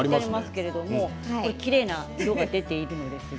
きれいな色が出ているんですが。